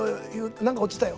何か落ちたよ。